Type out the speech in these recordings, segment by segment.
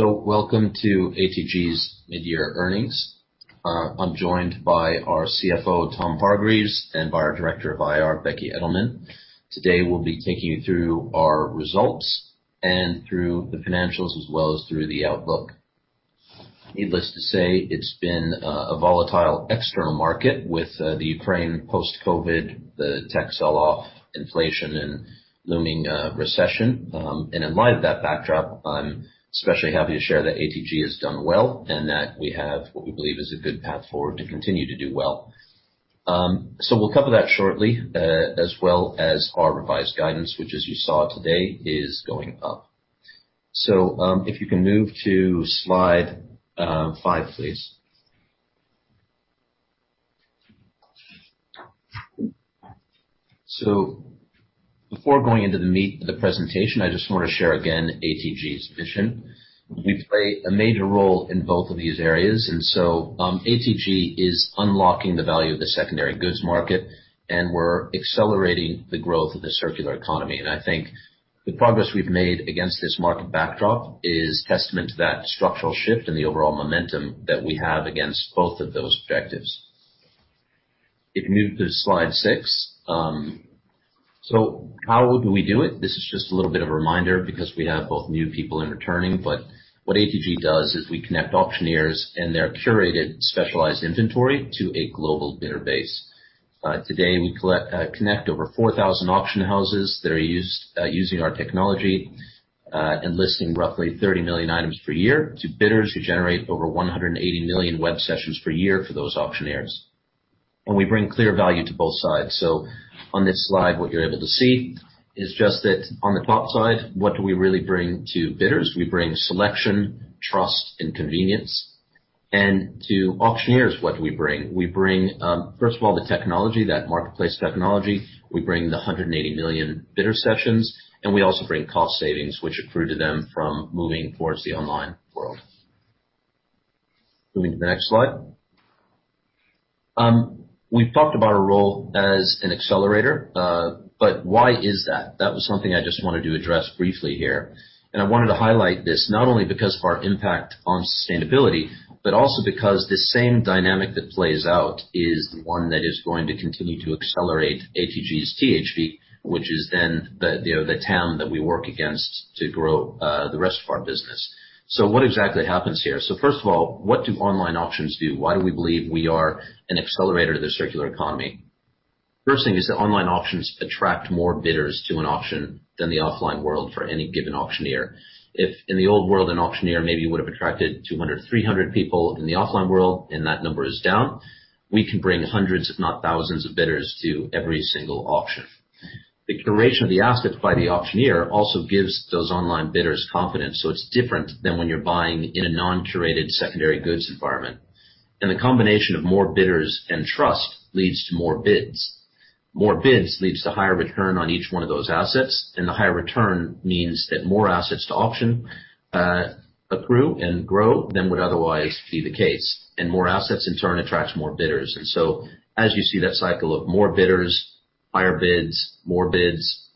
Welcome to ATG's mid-year earnings. I'm joined by our CFO, Tom Hargreaves, and by our Director of IR, Becky Edelman. Today, we'll be taking you through our results and through the financials, as well as through the outlook. Needless to say, it's been a volatile external market with the Ukraine post-COVID, the tech sell-off, inflation and looming recession. In light of that backdrop, I'm especially happy to share that ATG has done well, and that we have what we believe is a good path forward to continue to do well. We'll cover that shortly, as well as our revised guidance, which as you saw today is going up. If you can move to slide five, please. Before going into the meat of the presentation, I just wanna share again ATG's vision. We play a major role in both of these areas, and so, ATG is unlocking the value of the secondary goods market, and we're accelerating the growth of the circular economy. I think the progress we've made against this market backdrop is testament to that structural shift and the overall momentum that we have against both of those objectives. If you move to slide 6. How do we do it? This is just a little bit of a reminder because we have both new people and returning, but what ATG does is we connect auctioneers and their curated specialized inventory to a global bidder base. Today, we connect over 4,000 auction houses that are using our technology and listing roughly 30 million items per year to bidders who generate over 180 million web sessions per year for those auctioneers. We bring clear value to both sides. On this slide, what you're able to see is just that on the top side, what do we really bring to bidders? We bring selection, trust, and convenience. To auctioneers, what do we bring? We bring, first of all, the technology, that marketplace technology. We bring the 180 million bidder sessions, and we also bring cost savings, which accrue to them from moving towards the online world. Moving to the next slide. We've talked about our role as an accelerator, but why is that? That was something I just wanted to address briefly here. I wanted to highlight this not only because of our impact on sustainability, but also because the same dynamic that plays out is the one that is going to continue to accelerate ATG's THV, which is then the, you know, the total that we work against to grow the rest of our business. What exactly happens here? First of all, what do online auctions do? Why do we believe we are an accelerator to the circular economy? First thing is that online auctions attract more bidders to an auction than the offline world for any given auctioneer. If in the old world, an auctioneer maybe would have attracted 200, 300 people in the offline world, and that number is down, we can bring hundreds, if not thousands, of bidders to every single auction. The curation of the assets by the auctioneer also gives those online bidders confidence, so it's different than when you're buying in a non-curated secondary goods environment. The combination of more bidders and trust leads to more bids. More bids leads to higher return on each one of those assets, and the higher return means that more assets to auction accrue and grow than would otherwise be the case. More assets in turn attracts more bidders. As you see that cycle of more bidders, higher bids, more bids,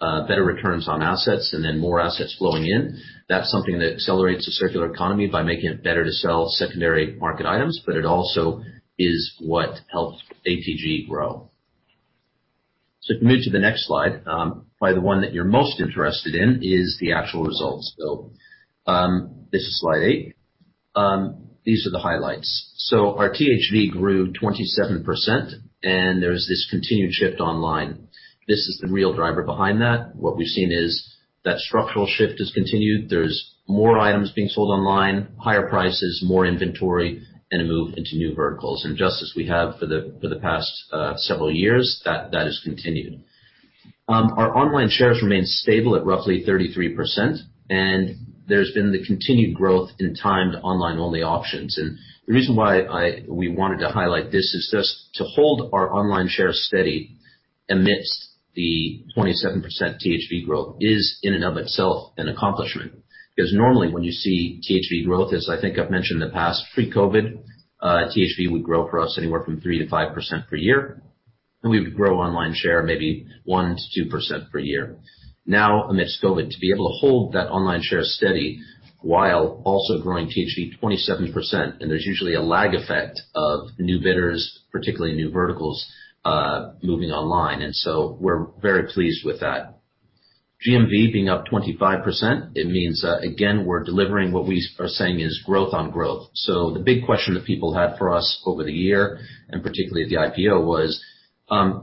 better returns on assets, and then more assets flowing in, that's something that accelerates the circular economy by making it better to sell secondary market items, but it also is what helps ATG grow. If you move to the next slide, probably the one that you're most interested in is the actual results build. This is slide eight. These are the highlights. Our THV grew 27% and there's this continued shift online. This is the real driver behind that. What we've seen is that structural shift has continued. There's more items being sold online, higher prices, more inventory, and a move into new verticals. Just as we have for the past several years, that has continued. Our online shares remain stable at roughly 33%, and there's been the continued growth in timed online-only auctions. The reason why we wanted to highlight this is just to hold our online shares steady amidst the 27% THV growth is in and of itself an accomplishment. Because normally when you see THV growth, as I think I've mentioned in the past, pre-COVID, THV would grow for us anywhere from 3%-5% per year, and we would grow online share maybe 1%-2% per year. Now, amidst COVID, to be able to hold that online share steady while also growing THV 27%, and there's usually a lag effect of new bidders, particularly new verticals, moving online. We're very pleased with that. GMV being up 25%, it means that again, we're delivering what we are saying is growth on growth. The big question that people had for us over the year, and particularly at the IPO, was,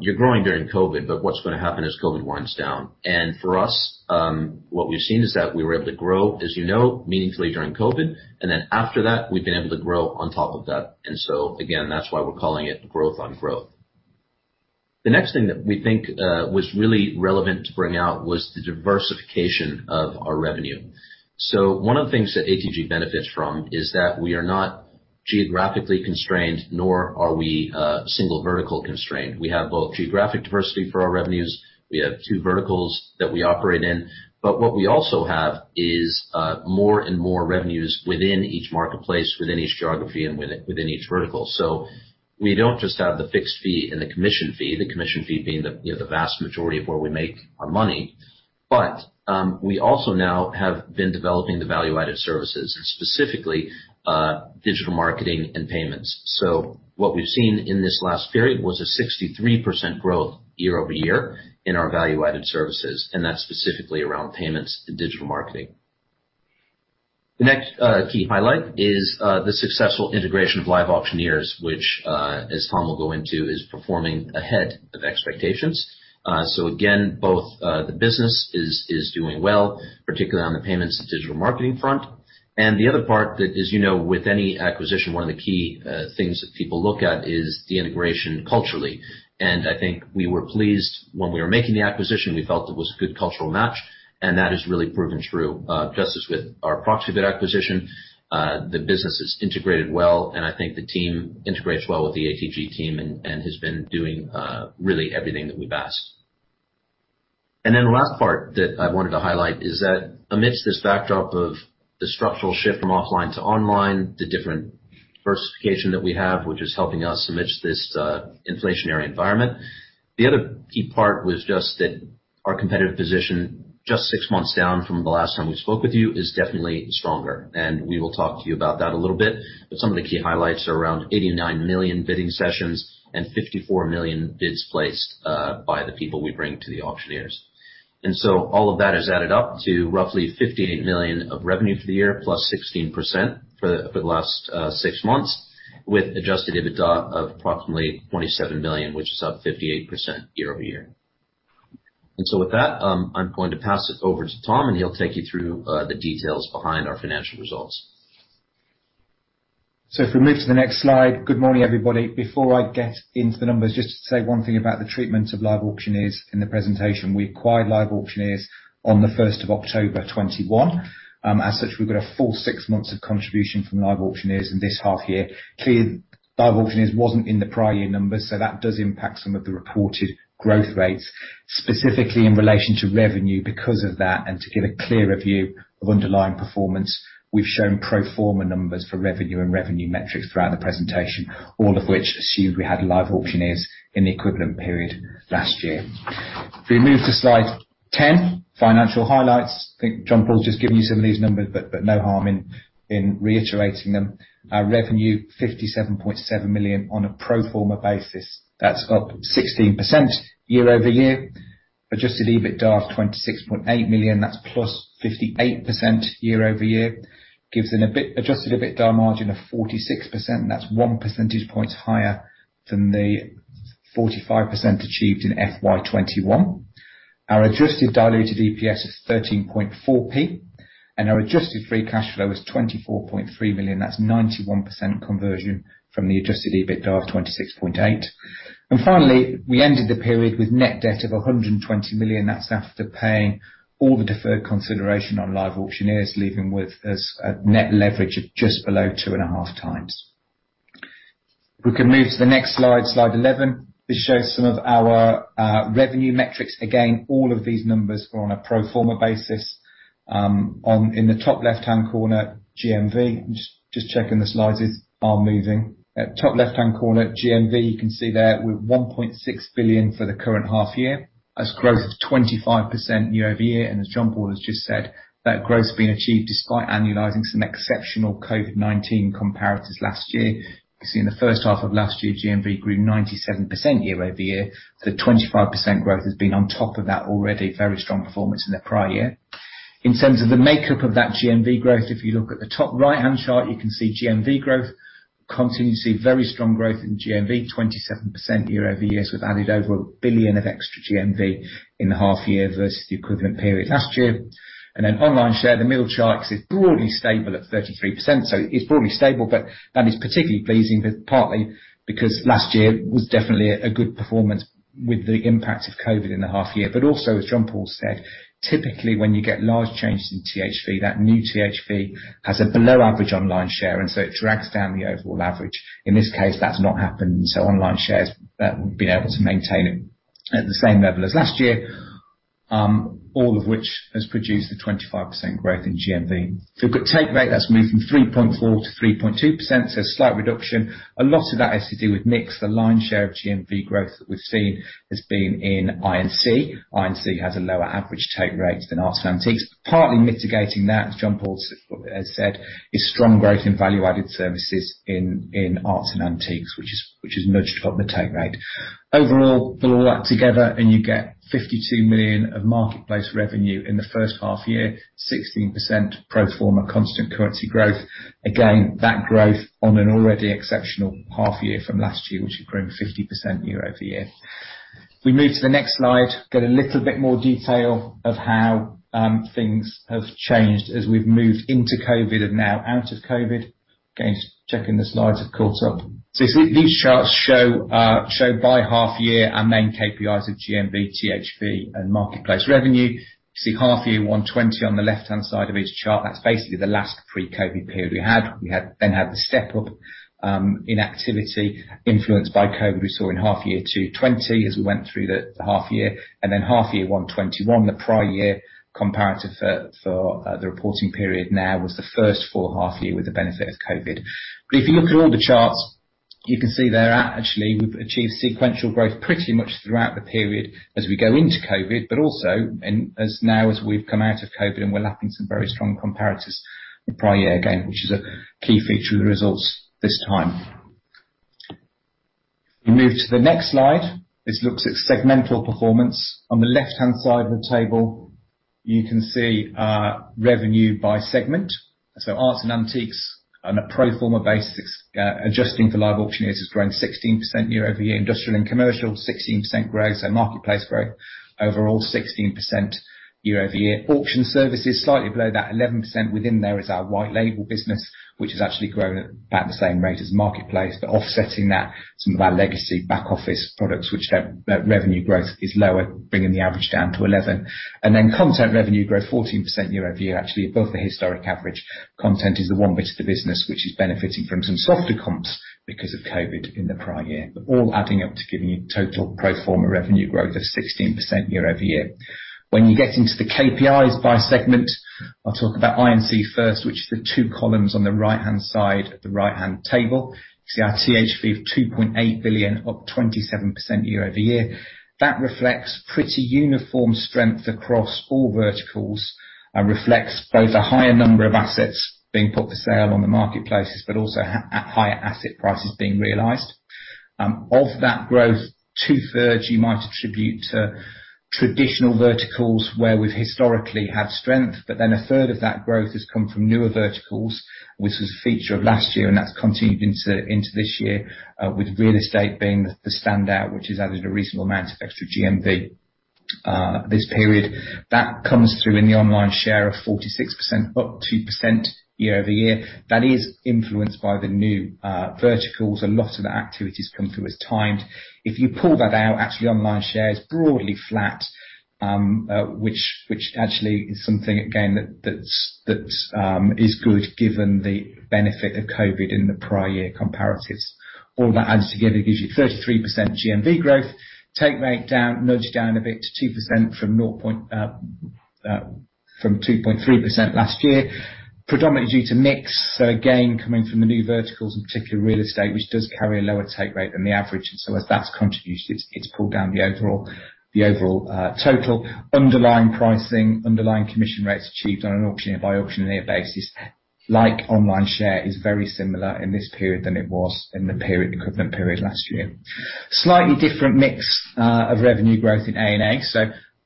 you're growing during COVID, but what's gonna happen as COVID winds down? For us, what we've seen is that we were able to grow, as you know, meaningfully during COVID, and then after that, we've been able to grow on top of that. Again, that's why we're calling it growth on growth. The next thing that we think was really relevant to bring out was the diversification of our revenue. One of the things that ATG benefits from is that we are not geographically constrained, nor are we single vertical constrained. We have both geographic diversity for our revenues, we have two verticals that we operate in. But what we also have is more and more revenues within each marketplace, within each geography and within each vertical. We don't just have the fixed fee and the commission fee, the commission fee being the, you know, the vast majority of where we make our money, but we also now have been developing the value-added services, specifically, digital marketing and payments. What we've seen in this last period was a 63% growth year-over-year in our value-added services, and that's specifically around payments and digital marketing. The next key highlight is the successful integration of LiveAuctioneers, which, as Tom will go into, is performing ahead of expectations. Again, both the business is doing well, particularly on the payments and digital marketing front. The other part that, as you know, with any acquisition, one of the key things that people look at is the integration culturally. I think we were pleased when we were making the acquisition, we felt it was a good cultural match, and that has really proven true. Just as with our Proxibid acquisition, the business has integrated well, and I think the team integrates well with the ATG team and has been doing really everything that we've asked. The last part that I wanted to highlight is that amidst this backdrop of the structural shift from offline to online, the different diversification that we have, which is helping us amidst this, inflationary environment, the other key part was just that our competitive position, just six months down from the last time we spoke with you, is definitely stronger. We will talk to you about that a little bit. Some of the key highlights are around 89 million bidding sessions and 54 million bids placed by the people we bring to the auctioneers. All of that has added up to roughly 58 million of revenue for the year, plus 16% for the last six months, with adjusted EBITDA of approximately 27 million, which is up 58% year-over-year. With that, I'm going to pass it over to Tom, and he'll take you through the details behind our financial results. If we move to the next slide. Good morning, everybody. Before I get into the numbers, just to say one thing about the treatment of LiveAuctioneers in the presentation, we acquired LiveAuctioneers on the first of October 2021. As such, we've got a full six months of contribution from LiveAuctioneers in this half year. Clearly, LiveAuctioneers wasn't in the prior year numbers, so that does impact some of the reported growth rates, specifically in relation to revenue. Because of that, and to give a clearer view of underlying performance, we've shown pro forma numbers for revenue and revenue metrics throughout the presentation, all of which assume we had LiveAuctioneers in the equivalent period last year. If we move to slide 10, financial highlights. I think John Paul's just given you some of these numbers, but no harm in reiterating them. Our revenue 57.7 million on a pro forma basis. That's up 16% year-over-year. Adjusted EBITDA of 26.8 million. That's +58% year-over-year. Gives an adjusted EBITDA margin of 46%. That's one percentage point higher than the 45% achieved in FY 2021. Our adjusted diluted EPS is 13.4p, and our adjusted free cash flow is 24.3 million. That's 91% conversion from the adjusted EBITDA of 26.8 million. Finally, we ended the period with net debt of 120 million. That's after paying all the deferred consideration on LiveAuctioneers, leaving us with a net leverage of just below 2.5x. If we can move to the next slide 11. This shows some of our revenue metrics. Again, all of these numbers are on a pro forma basis. In the top left-hand corner, GMV. I'm just checking the slides are moving. At top left-hand corner, GMV, you can see there we're 1.6 billion for the current half year. That's growth of 25% year-over-year. As John Paul has just said, that growth's been achieved despite annualizing some exceptional COVID-19 comparators last year. You can see in the first half of last year, GMV grew 97% year-over-year. The 25% growth has been on top of that already very strong performance in the prior year. In terms of the makeup of that GMV growth, if you look at the top right-hand chart, you can see GMV growth. Continue to see very strong growth in GMV, 27% year-over-year, so we've added over 1 billion of extra GMV in the half year versus the equivalent period last year. Online share, the middle chart, is broadly stable at 33%, so it's broadly stable, but that is particularly pleasing, but partly because last year was definitely a good performance with the impact of COVID in the half year. As John-Paul said, typically when you get large changes in THV, that new THV has a below average online share, and so it drags down the overall average. In this case, that's not happened, so online share has been able to maintain it at the same level as last year, all of which has produced a 25% growth in GMV. If you look at take rate, that's moved from 3.4% to 3.2%, so a slight reduction. A lot of that has to do with mix. The lion's share of GMV growth that we've seen has been in I&C. I&C has a lower average take rate than arts and antiques. Partly mitigating that, as John-Paul Savant has said, is strong growth in value-added services in arts and antiques, which has nudged up the take rate. Overall, put all that together, and you get 52 million of marketplace revenue in the first half year, 16% pro forma constant currency growth. Again, that growth on an already exceptional half year from last year, which had grown 50% year-over-year. If we move to the next slide, get a little bit more detail of how things have changed as we've moved into COVID and now out of COVID. Again, just checking the slides have caught up. These charts show by half year our main KPIs of GMV, THV, and marketplace revenue. See half year 1 2020 on the left-hand side of each chart. That's basically the last pre-COVID period we had. We had the step up in activity influenced by COVID we saw in half year 2 2020 as we went through the half year, and then half year 1 2021, the prior year comparative for the reporting period now was the first full half year with the benefit of COVID. If you look at all the charts, you can see there, actually, we've achieved sequential growth pretty much throughout the period as we go into COVID, but also, and as now as we've come out of COVID, and we're lapping some very strong comparatives the prior year again, which is a key feature of the results this time. We move to the next slide. This looks at segmental performance. On the left-hand side of the table, you can see, revenue by segment. So Arts & Antiques, on a pro forma basis, adjusting for LiveAuctioneers, has grown 16% year-over-year. Industrial & Commercial, 16% growth, so marketplace growth. Overall, 16% year-over-year. Auction Services, slightly below that, 11%. Within there is our white label business, which has actually grown at about the same rate as marketplace, but offsetting that, some of our legacy back office products that revenue growth is lower, bringing the average down to 11. Then Content revenue grew 14% year-over-year, actually above the historic average. Content is the one bit of the business which is benefiting from some softer comps because of COVID in the prior year. All adding up to giving you total pro forma revenue growth of 16% year-over-year. When you get into the KPIs by segment, I'll talk about I&C first, which are the two columns on the right-hand side of the right-hand table. You see our THV of 2.8 billion, up 27% year-over-year. That reflects pretty uniform strength across all verticals and reflects both a higher number of assets being put for sale on the marketplaces, but also higher asset prices being realized. Of that growth, two-thirds you might attribute to traditional verticals where we've historically had strength, but then a third of that growth has come from newer verticals, which was a feature of last year, and that's continued into this year, with real estate being the standout, which has added a reasonable amount of extra GMV this period. That comes through in the online share of 46%, up 2% year-over-year. That is influenced by the new verticals. A lot of the activity's come through as timed. If you pull that out, actually online share is broadly flat, which actually is something again that that's is good given the benefit of COVID in the prior year comparatives. All that adds together gives you 33% GMV growth. Take rate down, nudged down a bit to 2% from 2.3% last year, predominantly due to mix, again, coming from the new verticals, in particular real estate, which does carry a lower take rate than the average. As that's contributed, it's pulled down the overall total. Underlying pricing, underlying commission rates achieved on an auctioneer by auctioneer basis, like online share, is very similar in this period than it was in the equivalent period last year. Slightly different mix of revenue growth in A&A.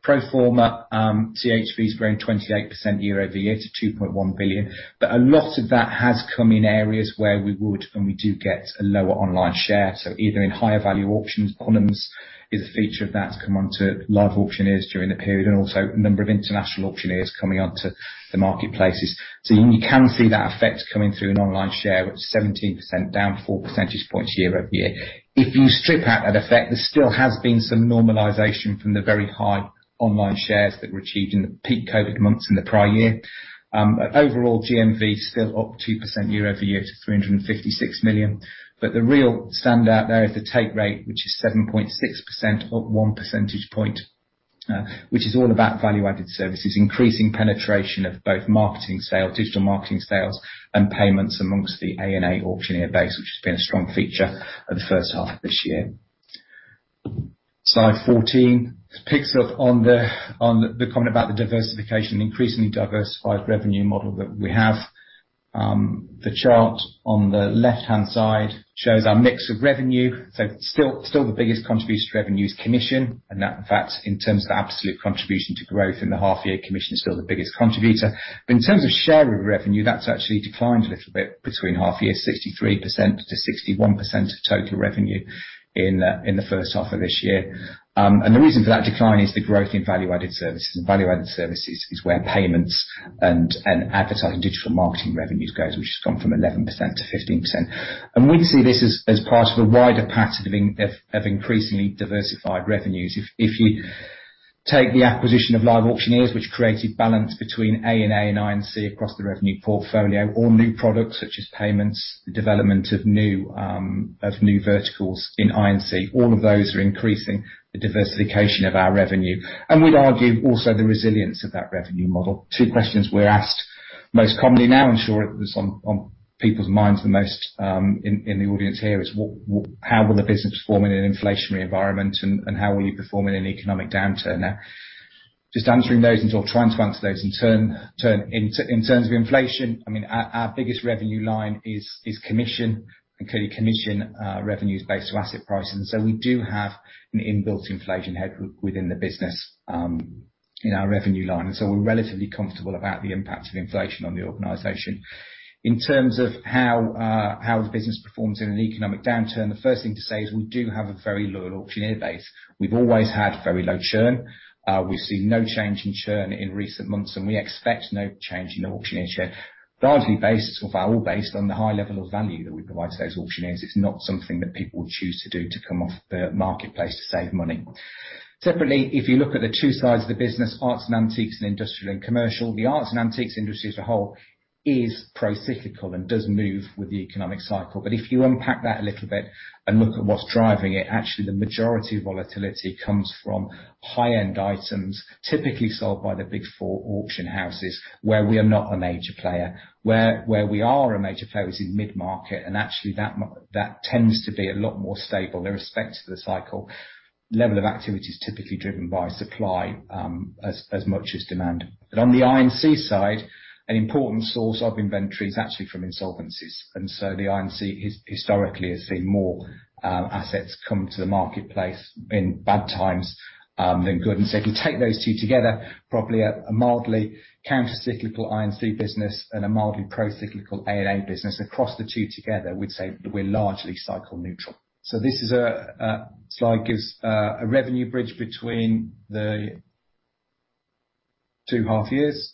Pro forma, THV's grown 28% year-over-year to 2.1 billion, but a lot of that has come in areas where we would and we do get a lower online share. Even in higher value auctions, Phillips is a feature of that to come onto LiveAuctioneers during the period and also a number of international auctioneers coming onto the marketplaces. You can see that effect coming through in online share, which is 17%, down 4 percentage points year-over-year. If you strip out that effect, there still has been some normalization from the very high online shares that were achieved in the peak COVID months in the prior year. Overall GMV still up 2% year-over-year to 356 million. The real standout there is the take rate, which is 7.6%, up one percentage point, which is all about value-added services, increasing penetration of both marketing sales, digital marketing sales and payments amongst the A&A auctioneer base, which has been a strong feature of the first half of this year. Slide 14 picks up on the comment about the diversification, increasingly diversified revenue model that we have. The chart on the left-hand side shows our mix of revenue. Still the biggest contribution to revenue is commission, and that in fact, in terms of absolute contribution to growth in the half year, commission is still the biggest contributor. In terms of share of revenue, that's actually declined a little bit between half year, 63% to 61% of total revenue in the first half of this year. The reason for that decline is the growth in value-added services. Value-added services is where payments and advertising digital marketing revenues goes, which has gone from 11% to 15%. We'd see this as part of a wider pattern of increasingly diversified revenues. If you take the acquisition of LiveAuctioneers, which created balance between A&A and I&C across the revenue portfolio or new products such as payments, the development of new verticals in I&C, all of those are increasing the diversification of our revenue. We'd argue also the resilience of that revenue model. Two questions we're asked most commonly now. I'm sure it was on people's minds the most in the audience here is what how will the business perform in an inflationary environment and how will you perform in an economic downturn? Now, just answering those and sort of trying to answer those in turn in terms of inflation, I mean, our biggest revenue line is commission. Clearly commission revenue is based on asset pricing, so we do have an inbuilt inflation hedge within the business in our revenue line. We're relatively comfortable about the impact of inflation on the organization. In terms of how the business performs in an economic downturn, the first thing to say is we do have a very loyal auctioneer base. We've always had very low churn. We've seen no change in churn in recent months, and we expect no change in the auctioneer churn. Largely based, or all based on the high level of value that we provide to those auctioneers. It's not something that people choose to do to come off the marketplace to save money. Separately, if you look at the two sides of the business, arts and antiques and industrial and commercial, the arts and antiques industry as a whole is pro-cyclical and does move with the economic cycle. If you unpack that a little bit and look at what's driving it, actually the majority of volatility comes from high-end items, typically sold by the big four auction houses where we are not a major player. Where we are a major player is in mid-market, and actually that tends to be a lot more stable irrespective of the cycle. Level of activity is typically driven by supply, as much as demand. On the I&C side, an important source of inventory is actually from insolvencies. The I&C historically has seen more assets come to the marketplace in bad times than good. If you take those two together, probably a mildly counter-cyclical I&C business and a mildly pro-cyclical A&A business. Across the two together, we'd say we're largely cycle neutral. This is a slide gives a revenue bridge between the two half years.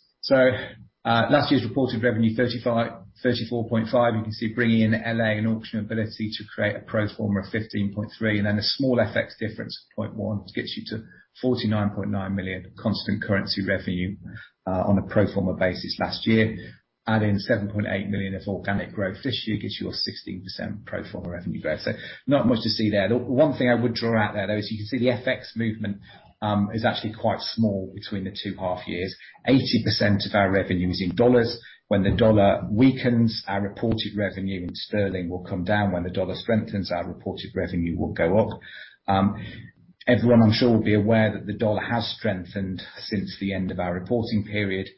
Last year's reported revenue 34.5, you can see bringing in LiveAuctioneers and Auction Mobility to create a pro forma of 15.3, and then a small FX difference of 0.1, which gets you to 49.9 million constant currency revenue, on a pro forma basis last year. Add in 7.8 million of organic growth this year, gets you a 16% pro forma revenue growth. Not much to see there. The one thing I would draw out there, though, is you can see the FX movement is actually quite small between the two half years. 80% of our revenue is in dollars. When the dollar weakens, our reported revenue in sterling will come down. When the dollar strengthens, our reported revenue will go up. Everyone I'm sure will be aware that the dollar has strengthened since the end of our reporting period.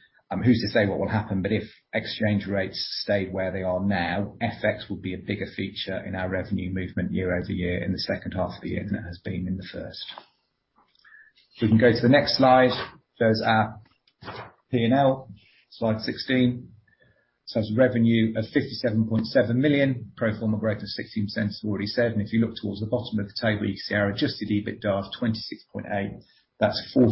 Who's to say what will happen, but if exchange rates stay where they are now, FX will be a bigger feature in our revenue movement year-over-year in the second half of the year than it has been in the first. We can go to the next slide, shows our P&L, slide 16. Shows revenue of 57.7 million, pro forma growth of 16% as I've already said. If you look towards the bottom of the table, you can see our adjusted EBITDA of 26.8 million. That's 46%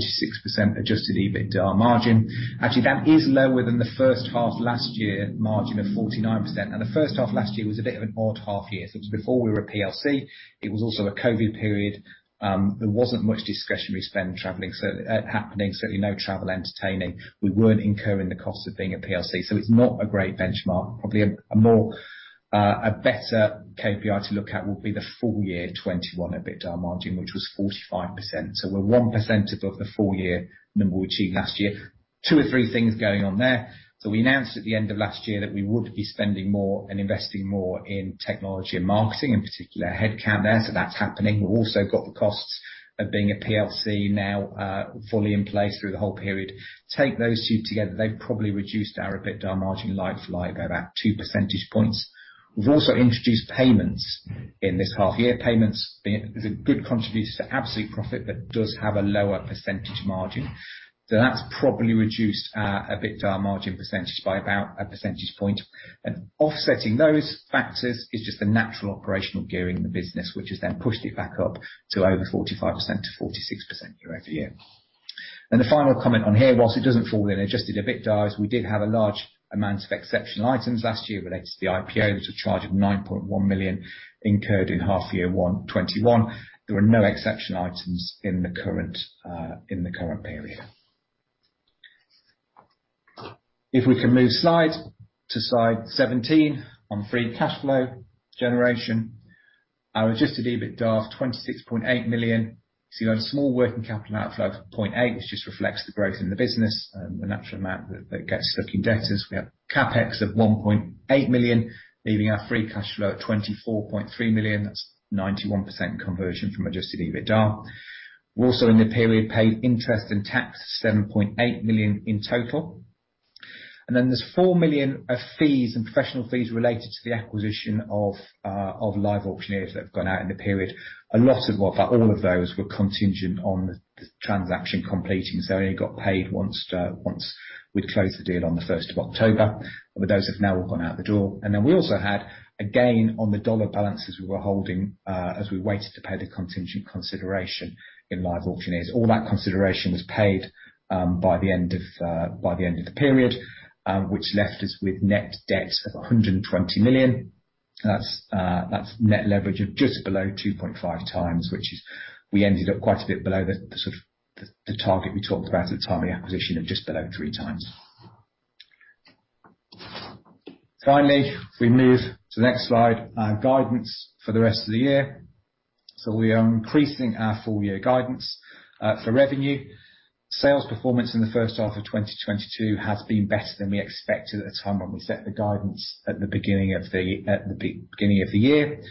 adjusted EBITDA margin. Actually, that is lower than the first half last year margin of 49%. The first half last year was a bit of an odd half year. It was before we were a PLC. It was also a COVID period. There wasn't much discretionary spend traveling happening, certainly no travel entertaining. We weren't incurring the cost of being a PLC, so it's not a great benchmark. Probably a better KPI to look at will be the full year 2021 EBITDA margin, which was 45%. We're 1% above the full year number we achieved last year. 2 or 3 things going on there. We announced at the end of last year that we would be spending more and investing more in technology and marketing, in particular our headcount there, so that's happening. We've also got the costs of being a PLC now fully in place through the whole period. Take those two together, they've probably reduced our EBITDA margin by like about 2 percentage points. We've also introduced payments in this half year. Payments is a good contributor to absolute profit, but does have a lower percentage margin. That's probably reduced our EBITDA margin percentage by about a percentage point. Offsetting those factors is just the natural operational gearing of the business, which has then pushed it back up to over 45% to 46% year-over-year. The final comment on here, while it doesn't fall in adjusted EBITDA, is we did have a large amount of exceptional items last year related to the IPO. It was a charge of 9.1 million incurred in half year one 2021. There are no exceptional items in the current period. If we can move to slide seventeen on free cash flow generation. Our adjusted EBITDA of 26.8 million. You have a small working capital outflow of 0.8, which just reflects the growth in the business, the natural amount that gets stuck in debtors. We have CapEx of 1.8 million, leaving our free cash flow at 24.3 million. That's 91% conversion from adjusted EBITDA. We also in the period paid interest and tax, 7.8 million in total. Then there's 4 million of fees and professional fees related to the acquisition of LiveAuctioneers that have gone out in the period. All of those were contingent on the transaction completing, so only got paid once we'd closed the deal on the first of October. Those have now all gone out the door. We also had a gain on the dollar balances we were holding as we waited to pay the contingent consideration in LiveAuctioneers. All that consideration was paid by the end of the period, which left us with net debt of 120 million. That's net leverage of just below 2.5 times, which is we ended up quite a bit below the sort of target we talked about at the time of the acquisition of just below 3 times. Finally, if we move to the next slide, our guidance for the rest of the year. We are increasing our full year guidance for revenue. Sales performance in the first half of 2022 has been better than we expected at the time when we set the guidance at the beginning of the year.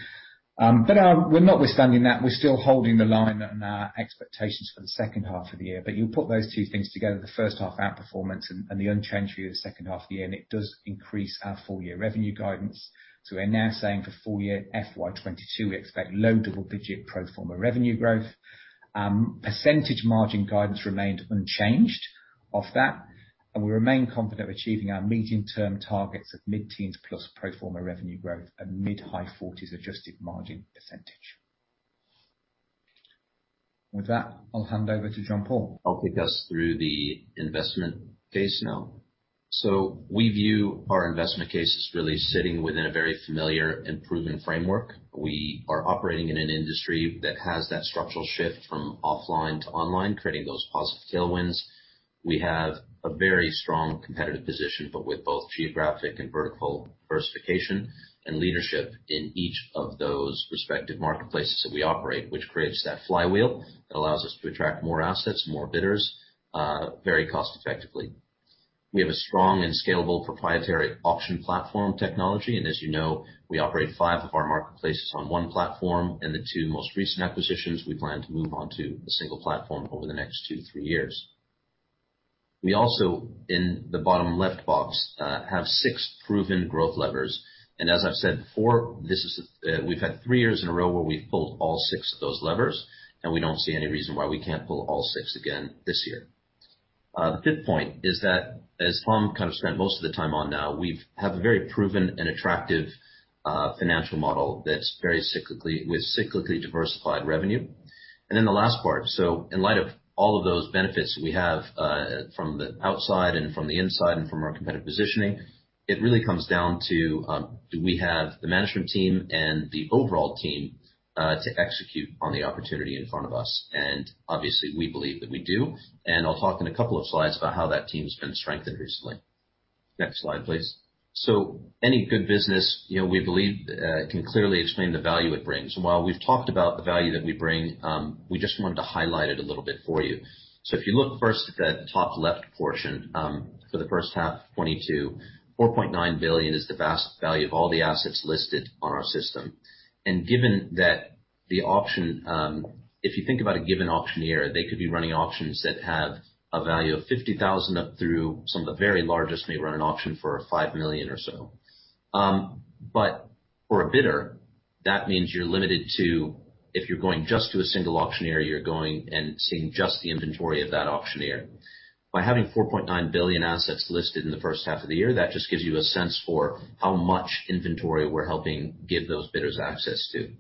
We're notwithstanding that, we're still holding the line on our expectations for the second half of the year. You put those two things together, the first half outperformance and the unchanged view of the second half of the year, and it does increase our full year revenue guidance. We're now saying for full year FY 2022, we expect low double-digit% pro forma revenue growth. Percentage margin guidance remained unchanged off that, and we remain confident we're achieving our medium term targets of mid-teens +% pro forma revenue growth and mid-high 40s% adjusted margin. With that, I'll hand over to John-Paul Savant. I'll take us through the investment case now. We view our investment case as really sitting within a very familiar and proven framework. We are operating in an industry that has that structural shift from offline to online, creating those positive tailwinds. We have a very strong competitive position, but with both geographic and vertical diversification and leadership in each of those respective marketplaces that we operate, which creates that flywheel that allows us to attract more assets, more bidders, very cost effectively. We have a strong and scalable proprietary auction platform technology, and as you know, we operate 5 of our marketplaces on one platform, and the two most recent acquisitions we plan to move onto a single platform over the next 2-3 years. We also, in the bottom left box, have 6 proven growth levers. As I've said before, this is, we've had three years in a row where we've pulled all six of those levers, and we don't see any reason why we can't pull all six again this year. The fifth point is that, as Tom kind of spent most of the time on now, we have a very proven and attractive financial model that's very cyclical, with cyclically diversified revenue. The last part, in light of all of those benefits we have, from the outside and from the inside and from our competitive positioning, it really comes down to, do we have the management team and the overall team, to execute on the opportunity in front of us? Obviously we believe that we do, and I'll talk in a couple of slides about how that team's been strengthened recently. Next slide, please. Any good business, you know, we believe, can clearly explain the value it brings. While we've talked about the value that we bring, we just wanted to highlight it a little bit for you. If you look first at that top left portion, for the first half of 2022, 4.9 billion is the vast value of all the assets listed on our system. Given that the auction, if you think about a given auctioneer, they could be running auctions that have a value of 50,000 up through some of the very largest may run an auction for 5 million or so. For a bidder, that means you're limited to, if you're going just to a single auctioneer, you're going and seeing just the inventory of that auctioneer. By having 4.9 billion assets listed in the first half of the year, that just gives you a sense for how much inventory we're helping give those bidders access to.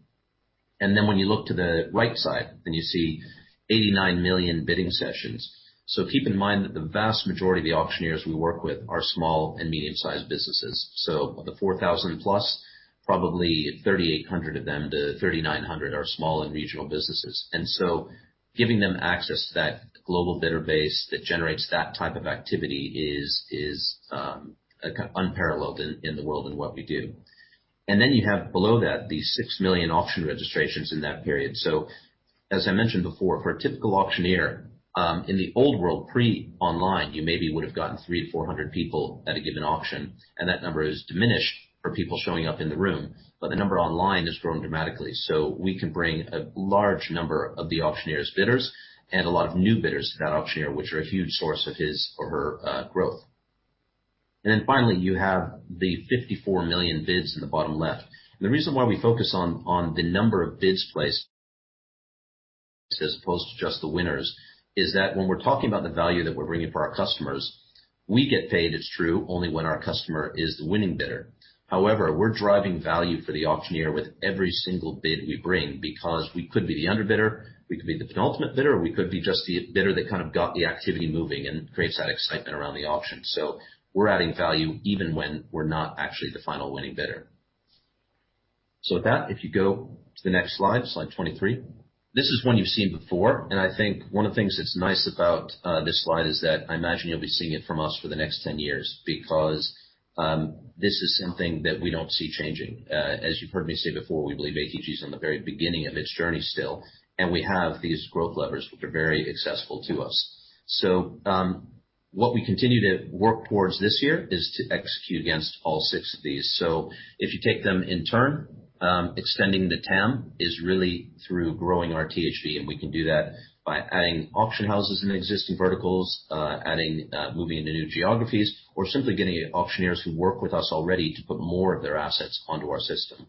When you look to the right side, then you see 89 million bidding sessions. Keep in mind that the vast majority of the auctioneers we work with are small and medium-sized businesses. Of the 4,000 plus, probably 3,800 of them to 3,900 are small and regional businesses. Giving them access to that global bidder base that generates that type of activity is unparalleled in the world in what we do. You have below that, the 6 million auction registrations in that period. As I mentioned before, for a typical auctioneer, in the old world, pre-online, you maybe would've gotten 300-400 people at a given auction, and that number is diminished for people showing up in the room. The number online has grown dramatically. We can bring a large number of the auctioneer's bidders and a lot of new bidders to that auctioneer, which are a huge source of his or her growth. Then finally, you have the 54 million bids in the bottom left. The reason why we focus on the number of bids placed as opposed to just the winners is that when we're talking about the value that we're bringing for our customers, we get paid, it's true, only when our customer is the winning bidder. However, we're driving value for the auctioneer with every single bid we bring because we could be the underbidder, we could be the penultimate bidder, or we could be just the bidder that kind of got the activity moving and creates that excitement around the auction. We're adding value even when we're not actually the final winning bidder. With that, if you go to the next slide 23. This is one you've seen before, and I think one of the things that's nice about this slide is that I imagine you'll be seeing it from us for the next 10 years because this is something that we don't see changing. As you've heard me say before, we believe ATG is on the very beginning of its journey still, and we have these growth levers which are very accessible to us. What we continue to work towards this year is to execute against all six of these. If you take them in turn, extending the TAM is really through growing our THV, and we can do that by adding auction houses in existing verticals, moving into new geographies or simply getting auctioneers who work with us already to put more of their assets onto our system.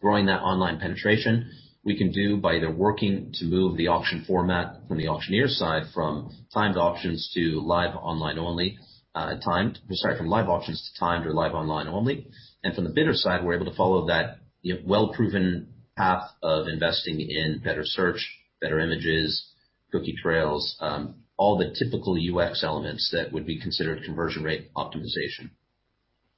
Growing that online penetration we can do by either working to move the auction format from the auctioneer side, from live auctions to timed or live online only. From the bidder side, we're able to follow that, you know, well-proven path of investing in better search, better images, cookie trails, all the typical UX elements that would be considered conversion rate optimization.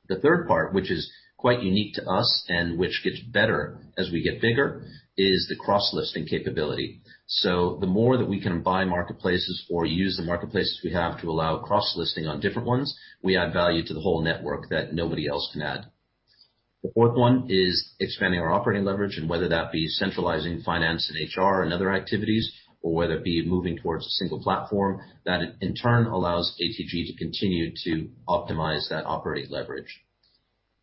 The third part, which is quite unique to us and which gets better as we get bigger, is the cross-listing capability. The more that we can buy marketplaces or use the marketplaces we have to allow cross-listing on different ones, we add value to the whole network that nobody else can add. The fourth one is expanding our operating leverage, and whether that be centralizing finance and HR and other activities, or whether it be moving towards a single platform, that in turn allows ATG to continue to optimize that operating leverage.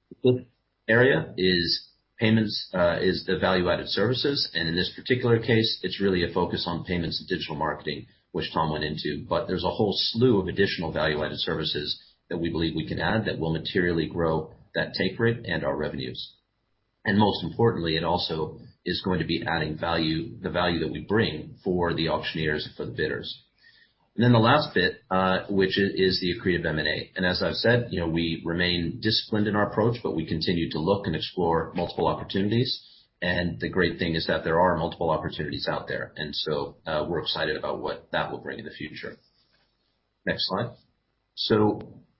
The fifth area is payments, is the value-added services, and in this particular case, it's really a focus on payments and digital marketing, which Tom went into. There's a whole slew of additional value-added services that we believe we can add that will materially grow that take rate and our revenues. Most importantly, it also is going to be adding value, the value that we bring for the auctioneers and for the bidders. The last bit, which is the accretive M&A. As I've said, you know, we remain disciplined in our approach, but we continue to look and explore multiple opportunities. The great thing is that there are multiple opportunities out there. We're excited about what that will bring in the future. Next slide.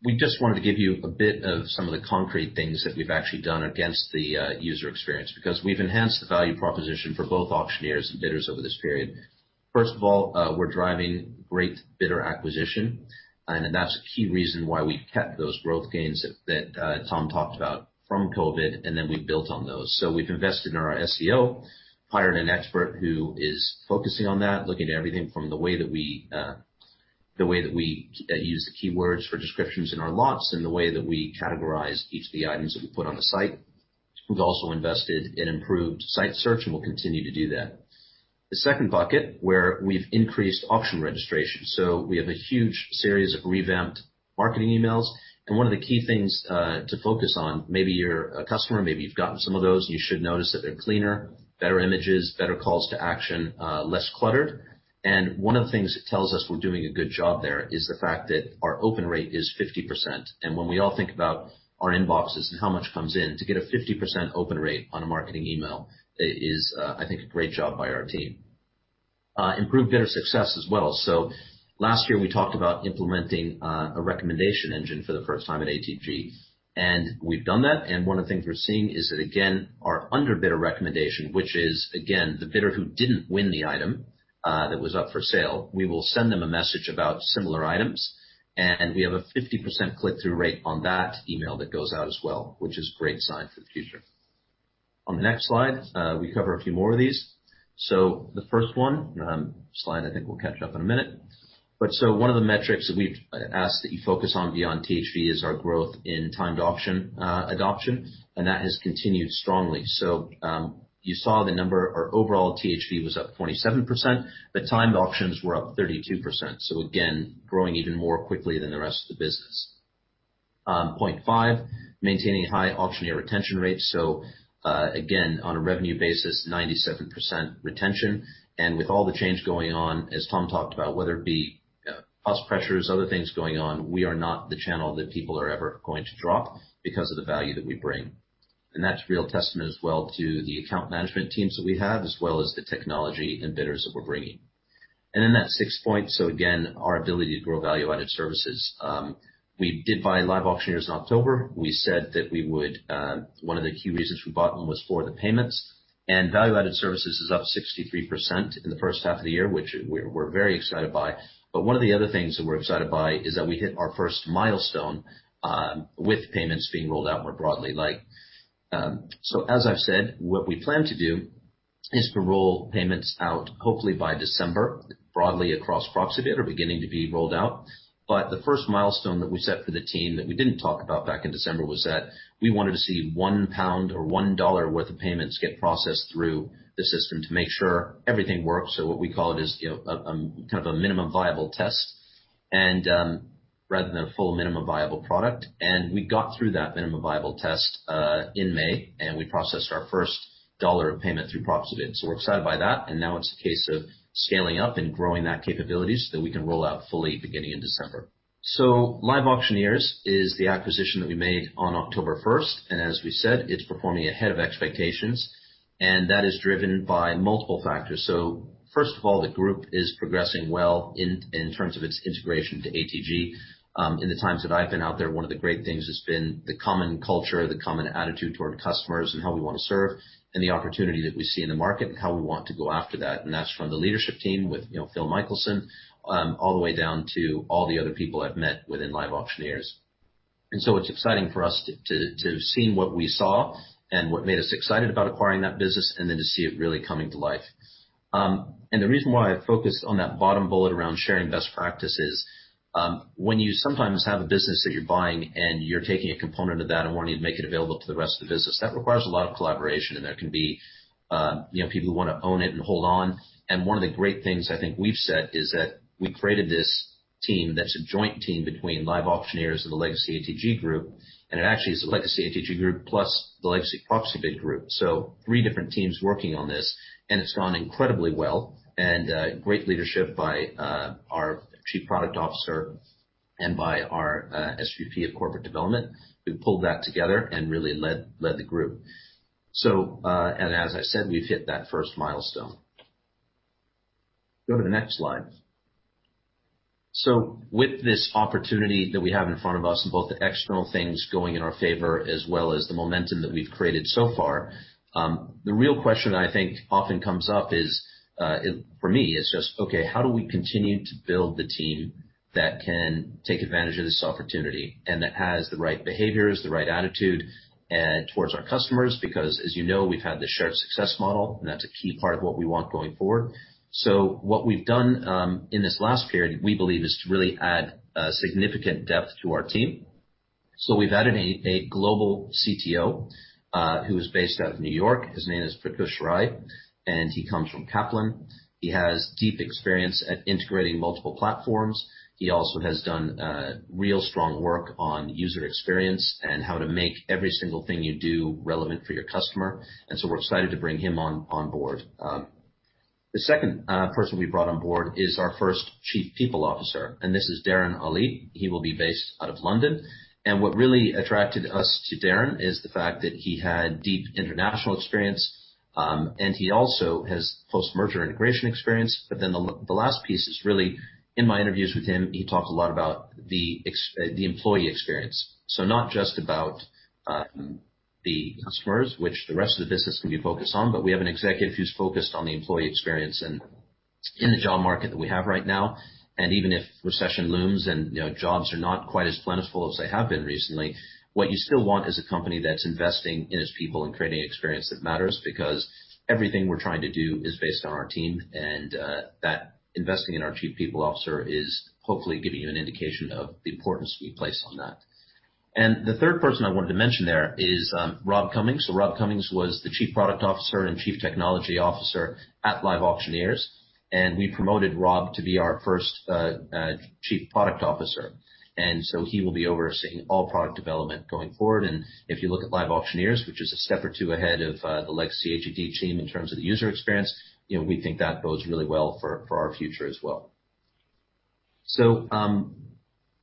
We just wanted to give you a bit of some of the concrete things that we've actually done against the user experience, because we've enhanced the value proposition for both auctioneers and bidders over this period. First of all, we're driving great bidder acquisition, and that's a key reason why we kept those growth gains that Tom talked about from COVID, and then we built on those. We've invested in our SEO, hired an expert who is focusing on that, looking at everything from the way that we use the keywords for descriptions in our lots and the way that we categorize each of the items that we put on the site. We've also invested in improved site search, and we'll continue to do that. The second bucket, where we've increased auction registration. We have a huge series of revamped marketing emails. One of the key things to focus on, maybe you're a customer, maybe you've gotten some of those, and you should notice that they're cleaner, better images, better calls to action, less cluttered. One of the things it tells us we're doing a good job there is the fact that our open rate is 50%. When we all think about our inboxes and how much comes in, to get a 50% open rate on a marketing email is, I think, a great job by our team. Improved bidder success as well. Last year, we talked about implementing a recommendation engine for the first time at ATG, and we've done that. One of the things we're seeing is that, again, our under bidder recommendation, which is, again, the bidder who didn't win the item, that was up for sale, we will send them a message about similar items. We have a 50% click-through rate on that email that goes out as well, which is a great sign for the future. On the next slide, we cover a few more of these. The first one, slide I think we'll catch up in a minute. One of the metrics that we've asked that you focus on beyond THV is our growth in timed auction adoption, and that has continued strongly. You saw the number. Our overall THV was up 47%, but timed auctions were up 32%. Again, growing even more quickly than the rest of the business. Point 5, maintaining high auctioneer retention rates. Again, on a revenue basis, 97% retention. With all the change going on, as Tom talked about, whether it be cost pressures, other things going on, we are not the channel that people are ever going to drop because of the value that we bring. That's a real testament as well to the account management teams that we have, as well as the technology and bidders that we're bringing. That sixth point, again, our ability to grow value-added services. We did buy LiveAuctioneers in October. We said that we would. One of the key reasons we bought them was for the payments. Value-added services is up 63% in the first half of the year, which we're very excited by. One of the other things that we're excited by is that we hit our first milestone with payments being rolled out more broadly like. As I've said, what we plan to do is to roll payments out, hopefully by December, broadly across Proxibid are beginning to be rolled out. The first milestone that we set for the team that we didn't talk about back in December was that we wanted to see one pound or one dollar worth of payments get processed through the system to make sure everything works. What we call it is, you know, kind of a minimum viable test and, rather than a full minimum viable product. We got through that minimum viable test in May, and we processed our first dollar of payment through Proxibid. We're excited by that. Now it's a case of scaling up and growing that capability so that we can roll out fully beginning in December. LiveAuctioneers is the acquisition that we made on October first, and as we said, it's performing ahead of expectations, and that is driven by multiple factors. First of all, the group is progressing well in terms of its integration to ATG. In the times that I've been out there, one of the great things has been the common culture, the common attitude toward customers and how we wanna serve and the opportunity that we see in the market and how we want to go after that. That's from the leadership team with, you know, Phil Michaelson, all the way down to all the other people I've met within LiveAuctioneers. It's exciting for us to have seen what we saw and what made us excited about acquiring that business and then to see it really coming to life. The reason why I focused on that bottom bullet around sharing best practices, when you sometimes have a business that you're buying and you're taking a component of that and wanting to make it available to the rest of the business, that requires a lot of collaboration, and there can be, you know, people who wanna own it and hold on. One of the great things I think we've said is that we created this team that's a joint team between LiveAuctioneers and the legacy ATG group, and it actually is the legacy ATG group plus the legacy Proxibid group. Three different teams working on this, and it's gone incredibly well. Great leadership by our Chief Product Officer and by our SVP of corporate development, who pulled that together and really led the group. As I said, we've hit that first milestone. Go to the next slide. With this opportunity that we have in front of us, and both the external things going in our favor as well as the momentum that we've created so far, the real question I think often comes up is, for me, just, okay, how do we continue to build the team that can take advantage of this opportunity and that has the right behaviors, the right attitude, and towards our customers, because as you know, we've had this shared success model, and that's a key part of what we want going forward. What we've done in this last period, we believe, is to really add significant depth to our team. We've added a global CTO who is based out of New York. His name is Pratyush Rai, and he comes from Kaplan. He has deep experience at integrating multiple platforms. He also has done real strong work on user experience and how to make every single thing you do relevant for your customer. We're excited to bring him on board. The second person we brought on board is our first Chief People Officer, and this is Darren Ali. He will be based out of London. What really attracted us to Darren is the fact that he had deep international experience, and he also has post-merger integration experience. The last piece is really in my interviews with him. He talks a lot about the employee experience. Not just about the customers, which the rest of the business can be focused on, but we have an executive who's focused on the employee experience. In the job market that we have right now, and even if recession looms and, you know, jobs are not quite as plentiful as they have been recently, what you still want is a company that's investing in its people and creating an experience that matters. Because everything we're trying to do is based on our team, and that investing in our Chief People Officer is hopefully giving you an indication of the importance we place on that. The third person I wanted to mention there is Rob Cummings. Rob Cummings was the Chief Product Officer and Chief Technology Officer at LiveAuctioneers, and we promoted Rob to be our first Chief Product Officer. He will be overseeing all product development going forward. If you look at LiveAuctioneers, which is a step or two ahead of the legacy ATG team in terms of the user experience, you know, we think that bodes really well for our future as well.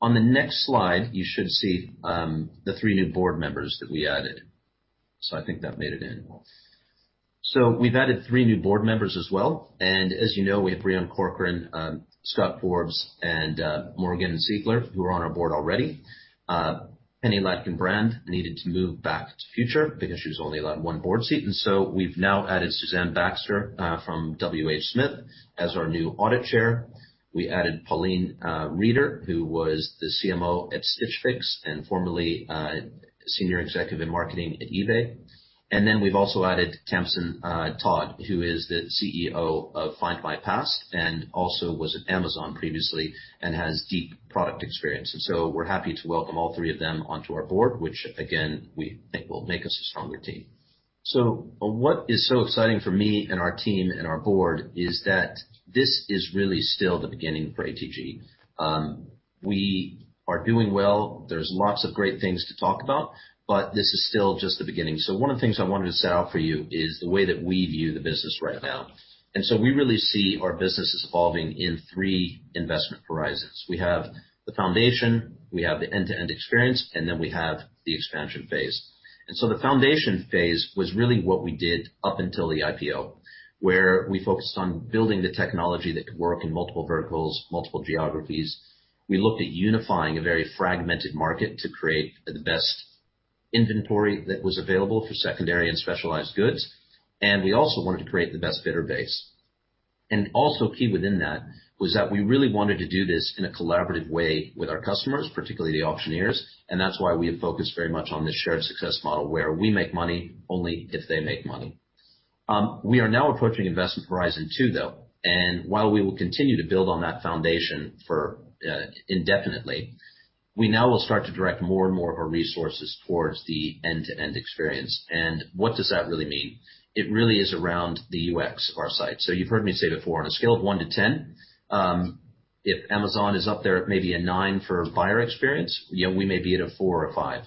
On the next slide, you should see the three new board members that we added. I think that made it in. We've added three new board members as well. As you know, we have Breon Corcoran, Scott Forbes, and Morgane Ziegler, who are on our board already. Penny Ladkin-Brand needed to move back to Future because she was only allowed one board seat. We've now added Suzanne Baxter from WHSmith as our new Audit Chair. We added Pauline Stewart, who was the CMO at Stitch Fix, and formerly a senior executive in marketing at eBay. We've also added Tamsin Todd, who is the CEO of Findmypast, and also was at Amazon previously and has deep product experience. We're happy to welcome all three of them onto our board, which again, we think will make us a stronger team. What is so exciting for me and our team and our board is that this is really still the beginning for ATG. We are doing well. There's lots of great things to talk about, but this is still just the beginning. One of the things I wanted to set out for you is the way that we view the business right now. We really see our business as evolving in three investment horizons. We have the foundation, we have the end-to-end experience, and then we have the expansion phase. The foundation phase was really what we did up until the IPO, where we focused on building the technology that could work in multiple verticals, multiple geographies. We looked at unifying a very fragmented market to create the best inventory that was available for secondary and specialized goods. We also wanted to create the best bidder base. Also key within that was that we really wanted to do this in a collaborative way with our customers, particularly the auctioneers. That's why we have focused very much on this shared success model, where we make money only if they make money. We are now approaching investment horizon two, though. While we will continue to build on that foundation for indefinitely, we now will start to direct more and more of our resources towards the end-to-end experience. What does that really mean? It really is around the UX of our site. So you've heard me say before, on a scale of 1 to 10, if Amazon is up there at maybe a 9 for buyer experience, you know, we may be at a 4 or 5.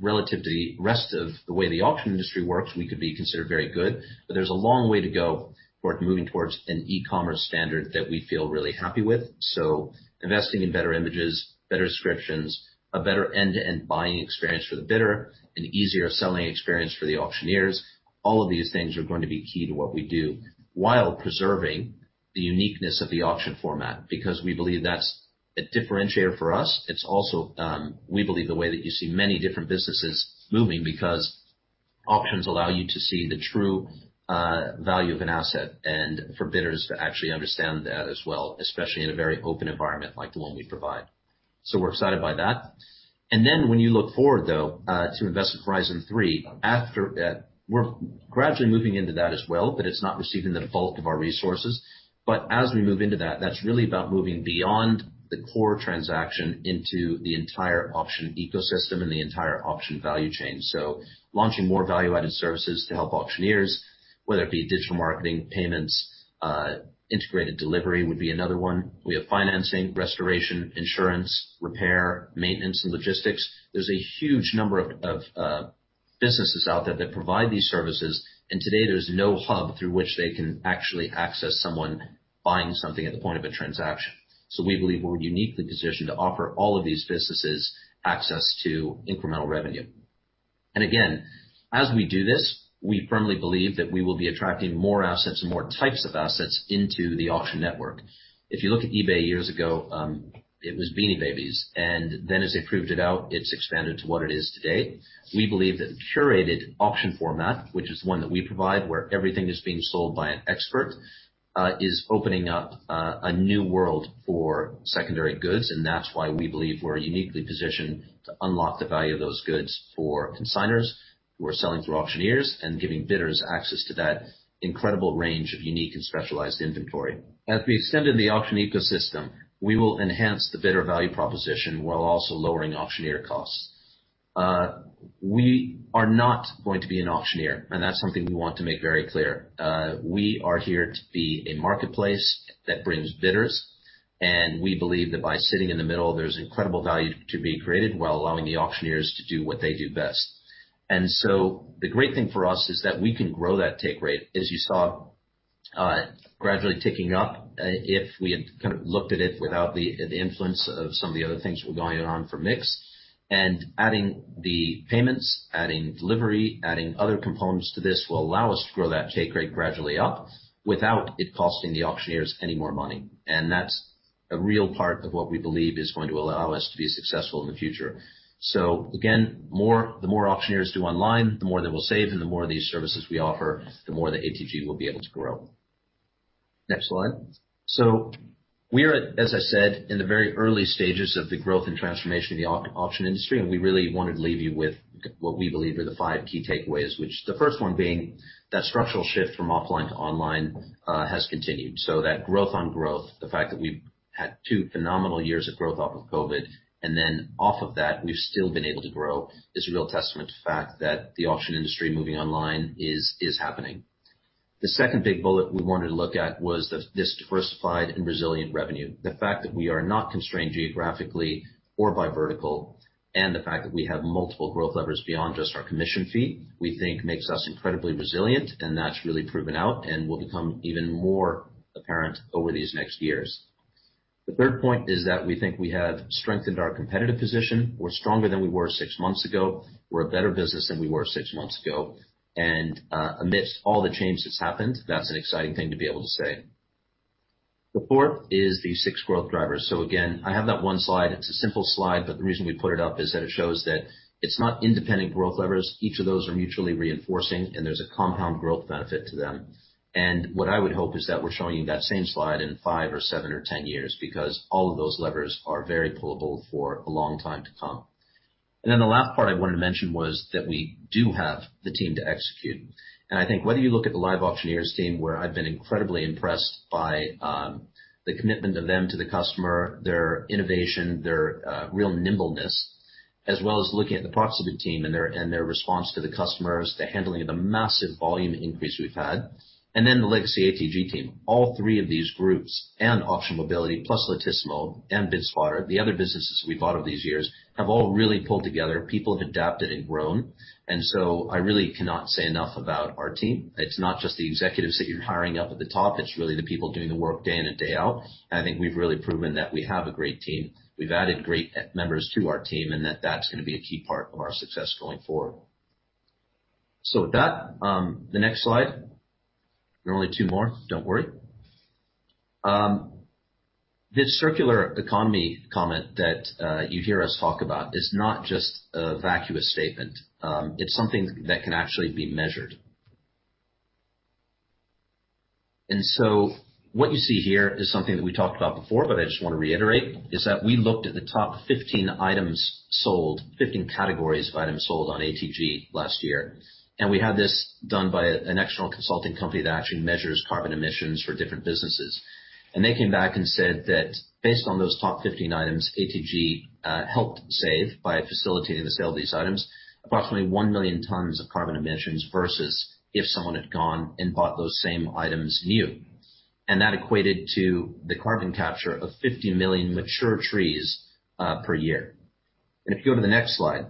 Relative to the rest of the way the auction industry works, we could be considered very good. There's a long way to go toward moving towards an e-commerce standard that we feel really happy with. Investing in better images, better descriptions, a better end-to-end buying experience for the bidder, an easier selling experience for the auctioneers, all of these things are going to be key to what we do, while preserving the uniqueness of the auction format, because we believe that's a differentiator for us. It's also, we believe, the way that you see many different businesses moving, because auctions allow you to see the true value of an asset and for bidders to actually understand that as well, especially in a very open environment like the one we provide. We're excited by that. When you look forward, though, to investment horizon three. We're gradually moving into that as well, but it's not receiving the bulk of our resources. As we move into that's really about moving beyond the core transaction into the entire auction ecosystem and the entire auction value chain. Launching more value-added services to help auctioneers, whether it be digital marketing, payments, integrated delivery would be another one. We have financing, restoration, insurance, repair, maintenance, and logistics. There's a huge number of businesses out there that provide these services, and today there's no hub through which they can actually access someone buying something at the point of a transaction. We believe we're uniquely positioned to offer all of these businesses access to incremental revenue. Again, as we do this, we firmly believe that we will be attracting more assets and more types of assets into the auction network. If you look at eBay years ago, it was Beanie Babies, and then as they proved it out, it's expanded to what it is today. We believe that the curated auction format, which is one that we provide where everything is being sold by an expert, is opening up a new world for secondary goods. That's why we believe we're uniquely positioned to unlock the value of those goods for consignors who are selling through auctioneers and giving bidders access to that incredible range of unique and specialized inventory. As we extended the auction ecosystem, we will enhance the bidder value proposition while also lowering auctioneer costs. We are not going to be an auctioneer, and that's something we want to make very clear. We are here to be a marketplace that brings bidders, and we believe that by sitting in the middle, there's incredible value to be created while allowing the auctioneers to do what they do best. The great thing for us is that we can grow that take rate, as you saw, gradually ticking up, if we had kind of looked at it without the influence of some of the other things that were going on for mix. Adding the payments, adding delivery, adding other components to this will allow us to grow that take rate gradually up without it costing the auctioneers any more money. That's a real part of what we believe is going to allow us to be successful in the future. Again, the more auctioneers do online, the more they will save, and the more of these services we offer, the more that ATG will be able to grow. Next slide. We are, as I said, in the very early stages of the growth and transformation of the auction industry, and we really want to leave you with what we believe are the five key takeaways, which the first one being that structural shift from offline to online has continued. That growth on growth, the fact that we've had two phenomenal years of growth off of COVID, and then off of that, we've still been able to grow, is a real testament to the fact that the auction industry moving online is happening. The second big bullet we wanted to look at was this diversified and resilient revenue. The fact that we are not constrained geographically or by vertical, and the fact that we have multiple growth levers beyond just our commission fee, we think makes us incredibly resilient, and that's really proven out and will become even more apparent over these next years. The third point is that we think we have strengthened our competitive position. We're stronger than we were six months ago. We're a better business than we were six months ago. Amidst all the change that's happened, that's an exciting thing to be able to say. The fourth is the six growth drivers. Again, I have that one slide. It's a simple slide, but the reason we put it up is that it shows that it's not independent growth levers. Each of those are mutually reinforcing, and there's a compound growth benefit to them. What I would hope is that we're showing you that same slide in 5 or 7 or 10 years because all of those levers are very pullable for a long time to come. The last part I wanted to mention was that we do have the team to execute. I think whether you look at the LiveAuctioneers team, where I've been incredibly impressed by the commitment of them to the customer, their innovation, their real nimbleness, as well as looking at the Proxibid team and their response to the customers, the handling of the massive volume increase we've had, and then the legacy ATG team. All three of these groups and Auction Mobility plus Lot-Tissimo and Bidsfire, the other businesses we bought over these years, have all really pulled together. People have adapted and grown. I really cannot say enough about our team. It's not just the executives that you're hiring up at the top, it's really the people doing the work day in and day out. I think we've really proven that we have a great team. We've added great members to our team, and that's gonna be a key part of our success going forward. With that, the next slide. There are only 2 more. Don't worry. This circular economy comment that you hear us talk about is not just a vacuous statement. It's something that can actually be measured. What you see here is something that we talked about before, but I just wanna reiterate, is that we looked at the top 15 items sold, 15 categories of items sold on ATG last year. We had this done by an external consulting company that actually measures carbon emissions for different businesses. They came back and said that based on those top 15 items, ATG helped save by facilitating the sale of these items, approximately 1 million tons of carbon emissions versus if someone had gone and bought those same items new. That equated to the carbon capture of 50 million mature trees per year. If you go to the next slide.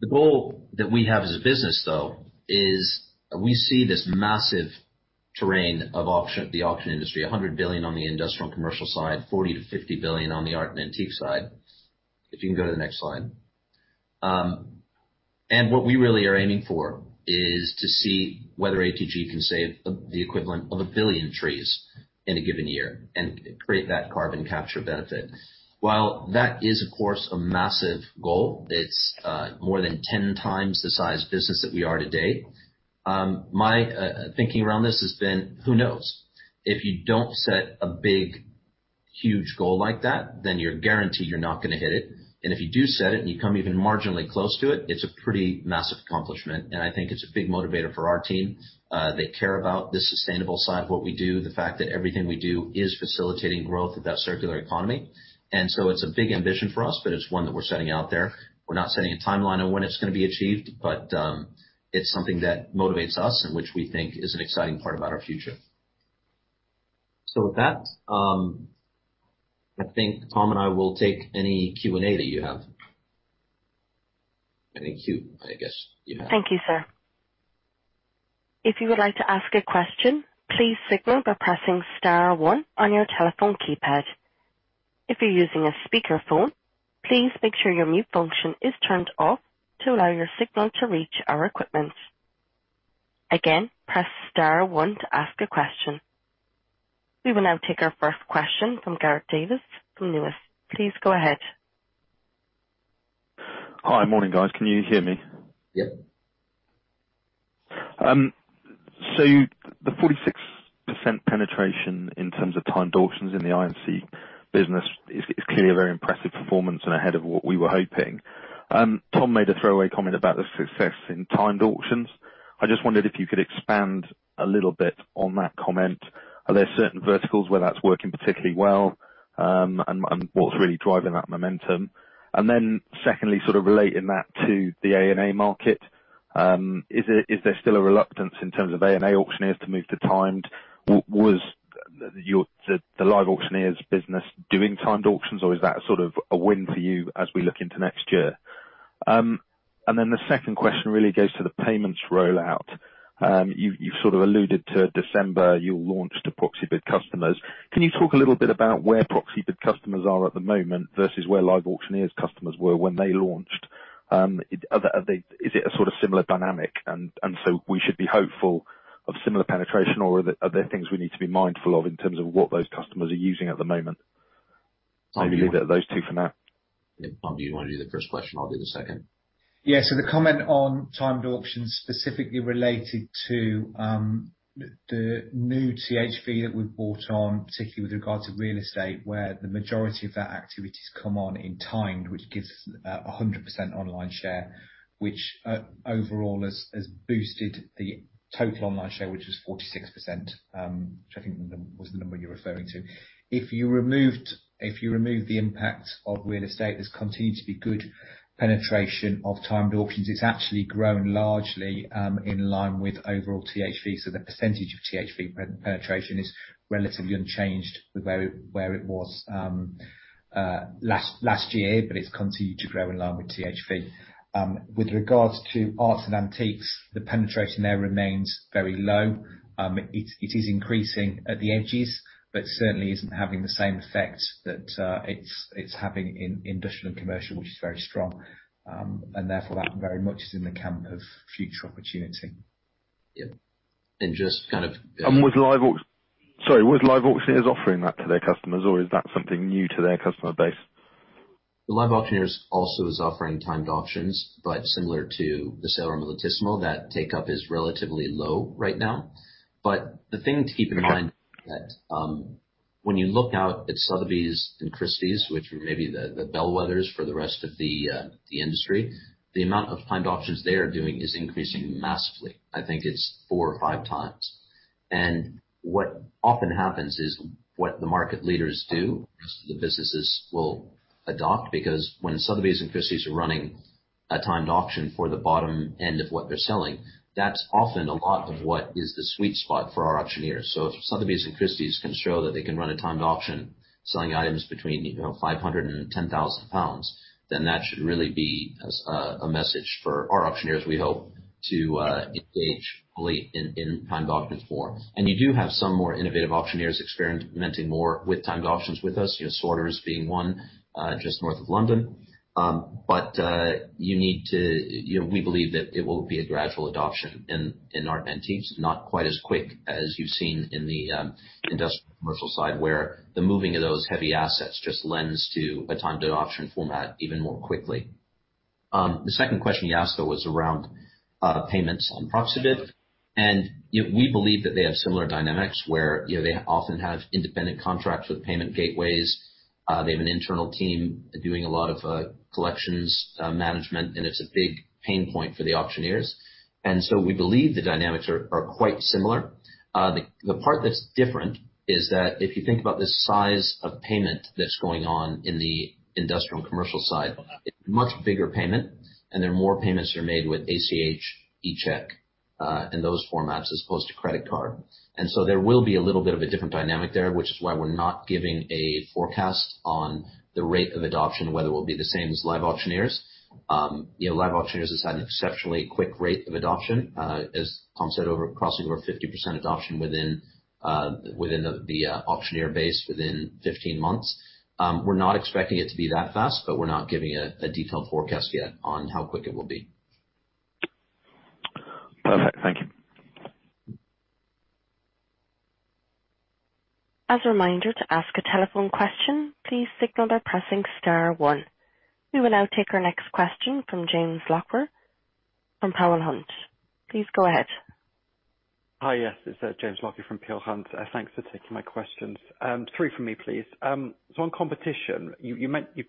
The goal that we have as a business though is we see this massive TAM of auction, the auction industry, 100 billion on the industrial and commercial side, 40-50 billion on the art and antique side. If you can go to the next slide. What we really are aiming for is to see whether ATG can save the equivalent of a billion trees in a given year and create that carbon capture benefit. While that is, of course, a massive goal, it's more than 10 times the size business that we are today, my thinking around this has been, who knows? If you don't set a big, huge goal like that, then you're guaranteed you're not gonna hit it. If you do set it and you come even marginally close to it's a pretty massive accomplishment. I think it's a big motivator for our team. They care about the sustainable side of what we do, the fact that everything we do is facilitating growth of that circular economy. It's a big ambition for us, but it's one that we're setting out there. We're not setting a timeline on when it's gonna be achieved, but, it's something that motivates us and which we think is an exciting part about our future. With that, I think Tom and I will take any Q&A that you have. Any Q, I guess you have. Thank you, sir. If you would like to ask a question, please signal by pressing star one on your telephone keypad. If you're using a speakerphone, please make sure your mute function is turned off to allow your signal to reach our equipment. Again, press star one to ask a question. We will now take our first question from Gareth Davis from Liberum. Please go ahead. Hi. Morning, guys. Can you hear me? Yes. The 46% penetration in terms of timed auctions in the I&C business is clearly a very impressive performance and ahead of what we were hoping. Tom made a throwaway comment about the success in timed auctions. I just wondered if you could expand a little bit on that comment. Are there certain verticals where that's working particularly well, and what's really driving that momentum? Then secondly, sort of relating that to the A&A market, is there still a reluctance in terms of A&A auctioneers to move to timed? Was the LiveAuctioneers business doing timed auctions, or is that sort of a win for you as we look into next year? Then the second question really goes to the payments rollout. You sort of alluded to December, you'll launch to Proxibid customers. Can you talk a little bit about where Proxibid customers are at the moment versus where LiveAuctioneers customers were when they launched? Are they? Is it a sort of similar dynamic, and so we should be hopeful of similar penetration, or are there things we need to be mindful of in terms of what those customers are using at the moment? Maybe leave it at those two for now. Tom, do you wanna do the first question? I'll do the second. Yeah. The comment on timed auctions specifically related to the new THV that we've brought on, particularly with regards to real estate, where the majority of that activity has come on in timed, which gives a 100% online share, which overall has boosted the total online share, which is 46%, which I think was the number you're referring to. If you remove the impact of real estate, there's continued to be good penetration of timed auctions. It's actually grown largely in line with overall THV. The percentage of THV penetration is relatively unchanged with where it was last year, but it's continued to grow in line with THV. With regards to arts and antiques, the penetration there remains very low. It is increasing at the edges, but certainly isn't having the same effect that it's having in industrial and commercial, which is very strong. Therefore, that very much is in the camp of future opportunity. Yeah. Just kind of Was LiveAuctioneers offering that to their customers, or is that something new to their customer base? LiveAuctioneers also is offering timed auctions, but similar to thesaleroom.com with lot-tissimo, that take-up is relatively low right now. The thing to keep in mind that, when you look out at Sotheby's and Christie's, which may be the bellwethers for the rest of the industry, the amount of timed auctions they are doing is increasing massively. I think it's 4 or 5 times. What often happens is what the market leaders do, the businesses will adopt because when Sotheby's and Christie's are running a timed auction for the bottom end of what they're selling, that's often a lot of what is the sweet spot for our auctioneers. If Sotheby's and Christie's can show that they can run a timed auction, selling items between, you know, 500-10,000 pounds, then that should really be a signal, a message for our auctioneers, we hope, to engage fully in timed auction form. You do have some more innovative auctioneers experimenting more with timed auctions with us, you know, Sworders being one, just north of London. We believe that it will be a gradual adoption in arts & antiques, not quite as quick as you've seen in the industrial & commercial side, where the moving of those heavy assets just lends to a timed auction format even more quickly. The second question you asked, though, was around payments on Proxibid. We believe that they have similar dynamics where, you know, they often have independent contracts with payment gateways. They have an internal team doing a lot of collections management, and it's a big pain point for the auctioneers. We believe the dynamics are quite similar. The part that's different is that if you think about the size of payment that's going on in the industrial and commercial side, it's much bigger payment, and then more payments are made with ACH, eCheck, and those formats as opposed to credit card. There will be a little bit of a different dynamic there, which is why we're not giving a forecast on the rate of adoption, whether it will be the same as LiveAuctioneers. You know, LiveAuctioneers has had an exceptionally quick rate of adoption, as Tom said, crossing over 50% adoption within the auctioneer base within 15 months. We're not expecting it to be that fast, but we're not giving a detailed forecast yet on how quick it will be. Perfect. Thank you. As a reminder to ask a telephone question, please signal by pressing star one. We will now take our next question from James Lockyer from Peel Hunt. Please go ahead. Hi, yes. It's James Lockyer from Peel Hunt. Thanks for taking my questions. Three from me, please. On competition, you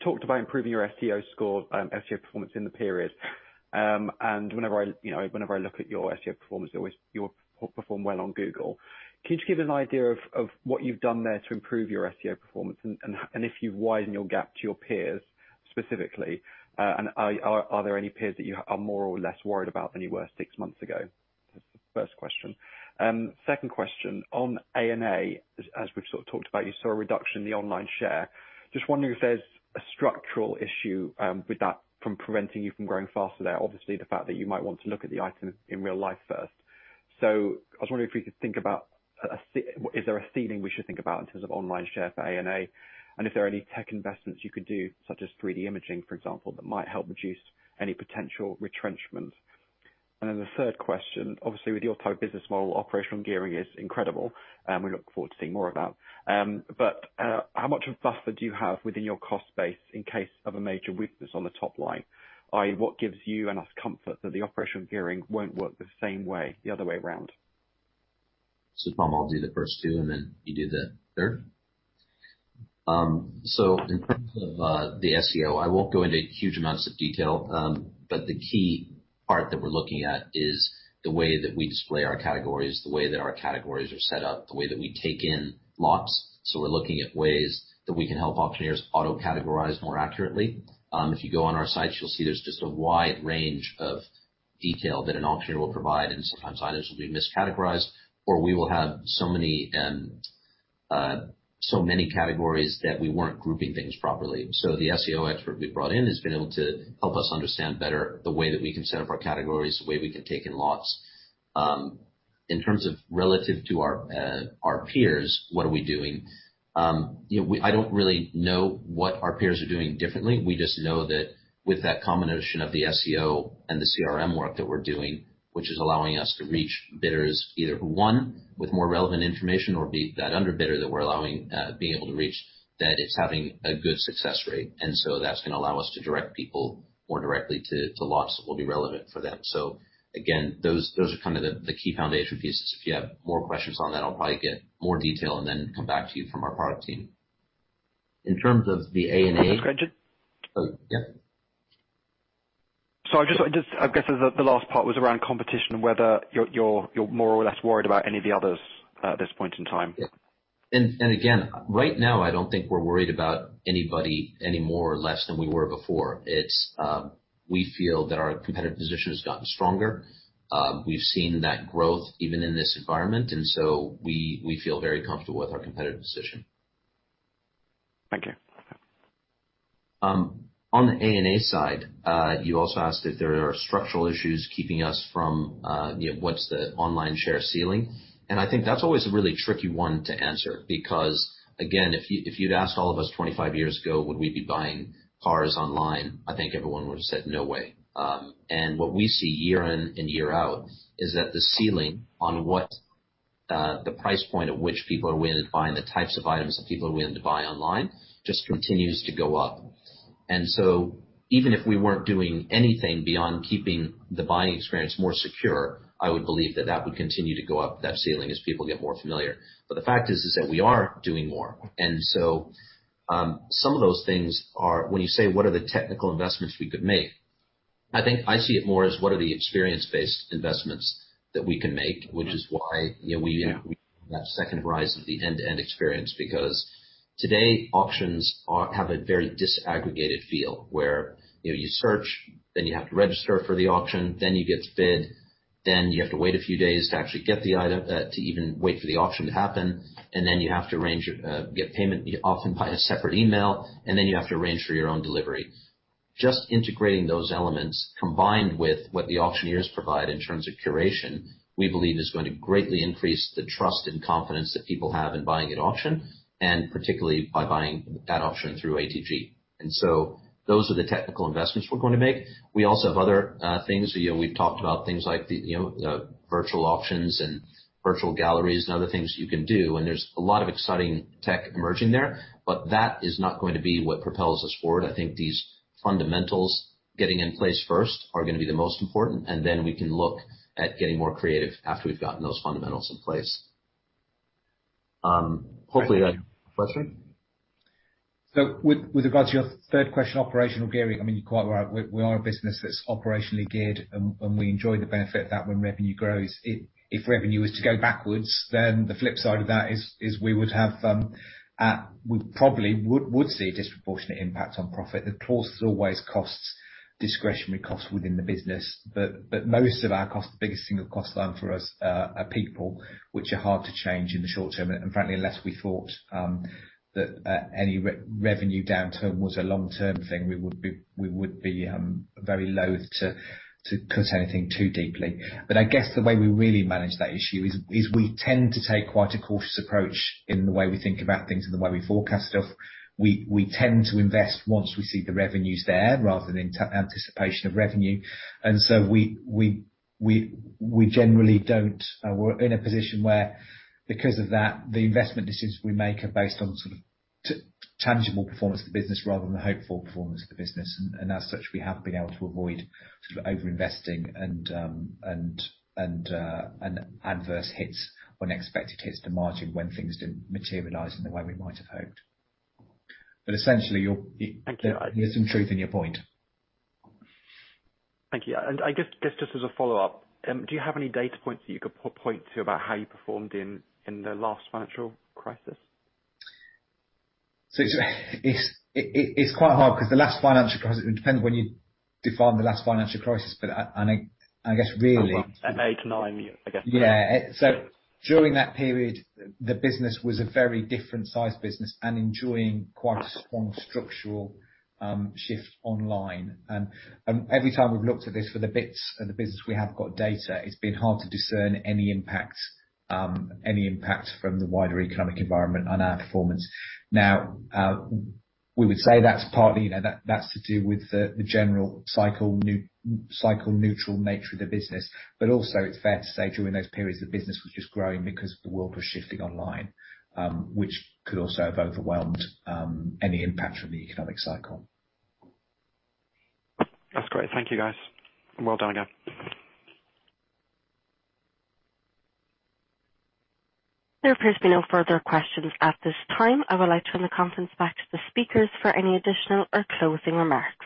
talked about improving your SEO score, SEO performance in the period. And whenever I, you know, whenever I look at your SEO performance, you perform well on Google. Can you just give an idea of what you've done there to improve your SEO performance and if you widen your gap to your peers specifically, and are there any peers that you are more or less worried about than you were six months ago? That's the first question. Second question on A&A, as we've sort of talked about, you saw a reduction in the online share. Just wondering if there's a structural issue with that from preventing you from growing faster there. Obviously, the fact that you might want to look at the item in real life first. I was wondering if we could think about a ceiling. Is there a ceiling we should think about in terms of online share for A&A? And if there are any tech investments you could do, such as 3D imaging, for example, that might help reduce any potential retrenchment. And then the third question, obviously with your type of business model, operational gearing is incredible, and we look forward to seeing more of that. How much of a buffer do you have within your cost base in case of a major weakness on the top line? i.e., what gives you and us comfort that the operational gearing won't work the same way the other way around? Tom, I'll do the first two, and then you do the third. In terms of the SEO, I won't go into huge amounts of detail, but the key part that we're looking at is the way that we display our categories, the way that our categories are set up, the way that we take in lots. We're looking at ways that we can help auctioneers auto-categorize more accurately. If you go on our site, you'll see there's just a wide range of detail that an auctioneer will provide, and sometimes items will be miscategorized, or we will have so many categories that we weren't grouping things properly. The SEO expert we brought in has been able to help us understand better the way that we can set up our categories, the way we can take in lots. In terms of relative to our peers, what are we doing? You know, I don't really know what our peers are doing differently. We just know that with that combination of the SEO and the CRM work that we're doing, which is allowing us to reach bidders either who, one, with more relevant information or that under bidder that we're allowing, being able to reach, that it's having a good success rate. That's gonna allow us to direct people more directly to lots that will be relevant for them. Again, those are kind of the key foundation pieces. If you have more questions on that, I'll probably get more detail and then come back to you from our product team. In terms of the A&A- Just one question. Oh, yeah. I just, I guess the last part was around competition and whether you're more or less worried about any of the others at this point in time. Yeah. Right now, I don't think we're worried about anybody any more or less than we were before. We feel that our competitive position has gotten stronger. We've seen that growth even in this environment, and so we feel very comfortable with our competitive position. Thank you. On the A&A side, you also asked if there are structural issues keeping us from, you know, what's the online share ceiling. I think that's always a really tricky one to answer because, again, if you'd asked all of us 25 years ago, would we be buying cars online? I think everyone would've said, "No way." What we see year in and year out is that the ceiling on what the price point at which people are willing to buy and the types of items that people are willing to buy online just continues to go up. Even if we weren't doing anything beyond keeping the buying experience more secure, I would believe that would continue to go up, that ceiling, as people get more familiar. The fact is that we are doing more. When you say what are the technical investments we could make, I think I see it more as what are the experience-based investments that we can make, which is why, you know, we- Yeah. that second rise of the end-to-end experience because today, auctions have a very disaggregated feel, where, you know, you search, then you have to register for the auction, then you get to bid, then you have to wait a few days to actually get the item, to even wait for the auction to happen, and then you have to arrange, get payment often by a separate email, and then you have to arrange for your own delivery. Just integrating those elements combined with what the auctioneers provide in terms of curation, we believe is going to greatly increase the trust and confidence that people have in buying at auction, and particularly by buying that auction through ATG. Those are the technical investments we're going to make. We also have other things. You know, we've talked about things like the, you know, the virtual auctions and virtual galleries and other things you can do, and there's a lot of exciting tech emerging there, but that is not going to be what propels us forward. I think these fundamentals getting in place first are gonna be the most important, and then we can look at getting more creative after we've gotten those fundamentals in place. With regards to your third question, operational gearing, I mean, you're quite right. We are a business that's operationally geared, and we enjoy the benefit of that when revenue grows. If revenue is to go backwards, then the flip side of that is we would have, we probably would see a disproportionate impact on profit. The costs always costs discretionary costs within the business. But most of our costs, the biggest single cost line for us, are people, which are hard to change in the short term. Frankly, unless we thought that any revenue downturn was a long-term thing, we would be very loathe to cut anything too deeply. I guess the way we really manage that issue is we tend to take quite a cautious approach in the way we think about things and the way we forecast stuff. We tend to invest once we see the revenues there rather than in anticipation of revenue. We generally don't. We're in a position where because of that, the investment decisions we make are based on sort of tangible performance of the business rather than the hopeful performance of the business. As such, we have been able to avoid sort of overinvesting and adverse hits or unexpected hits to margin when things didn't materialize in the way we might have hoped. Essentially, you're. Thank you. There's some truth in your point. Thank you. I guess, just as a follow-up, do you have any data points that you could point to about how you performed in the last financial crisis? It's quite hard 'cause the last financial crisis. It would depend when you define the last financial crisis, but I think I guess really. Around about 2008, 2009 years ago. Yeah. During that period, the business was a very different size business and enjoying quite a strong structural shift online. Every time we've looked at this for the bits of the business we have got data, it's been hard to discern any impact from the wider economic environment on our performance. Now, we would say that's partly, you know, that's to do with the general cycle neutral nature of the business. Also it's fair to say during those periods, the business was just growing because the world was shifting online, which could also have overwhelmed any impact from the economic cycle. That's great. Thank you guys. Well done again. There's no further questions at this time. I would like to handover the conference back to the speakers for any additional or closing remarks.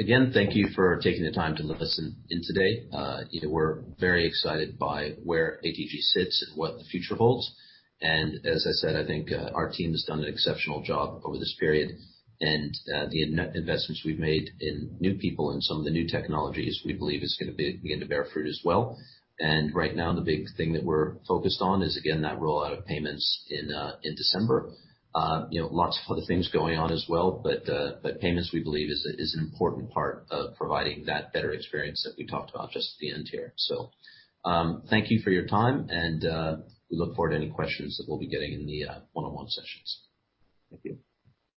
Again, thank you for taking the time to listen in today. You know, we're very excited by where ATG sits and what the future holds. As I said, I think our team has done an exceptional job over this period. The investments we've made in new people and some of the new technologies we believe is gonna begin to bear fruit as well. Right now, the big thing that we're focused on is, again, that rollout of payments in December. You know, lots of other things going on as well, but payments, we believe is an important part of providing that better experience that we talked about just at the end here. Thank you for your time and we look forward to any questions that we'll be getting in the one-on-one sessions. Thank you.